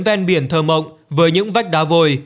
ven biển thơ mộng với những vách đá vôi